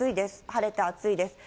晴れて暑いです。